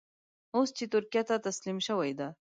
اوس چې ترکیه تسلیم شوې ده.